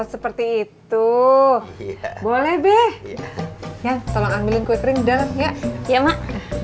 seperti itu boleh deh yang tolong ambil kue kering dan ya ya mak